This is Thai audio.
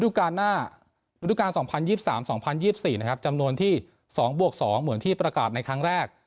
การหน้าฤดูการ๒๐๒๓๒๐๒๔นะครับจำนวนที่๒บวก๒เหมือนที่ประกาศในครั้งแรก